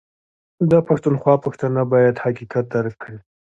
ده پښتونخوا پښتانه بايد حقيقت درک کړي